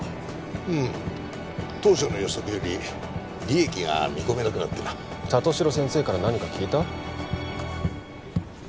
うん当初の予測より利益が見込めなくなってな里城先生から何か聞いた？